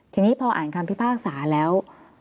ทีนี้พออ่านคำพี่ภาคสาวแล้ว